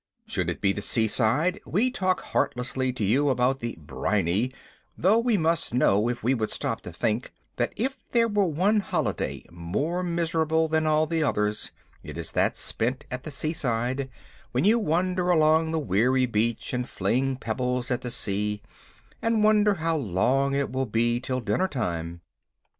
Should it be the seaside, we talk heartlessly to you about the "briny," though we must know, if we would stop to think, that if there is one holiday more miserable than all the others, it is that spent at the seaside, when you wander the weary beach and fling pebbles at the sea, and wonder how long it will be till dinner time.